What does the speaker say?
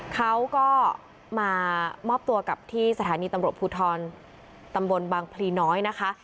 เขาก็มามอบตัวกับที่สถานีตำรวจภูทรตำบลบางพลีน้อยนะคะ